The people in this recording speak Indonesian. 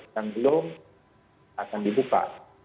yang belum akan dibuka